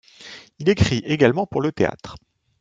Il écrit également pour le théâtre.